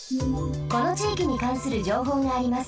このちいきにかんするじょうほうがあります。